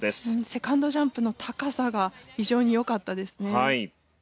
セカンドジャンプの高さが非常に良かったですね。